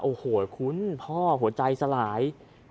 โอ้โหคุณพ่อหัวใจสลาย